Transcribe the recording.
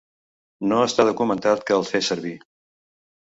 No està documentat que els fes servir.